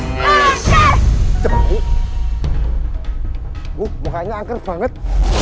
makanya angker banget